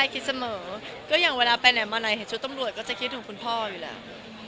คิดเสมอก็อย่างเวลาไปไหนมาไหนเห็นชุดตำรวจก็จะคิดถึงคุณพ่ออยู่แล้ว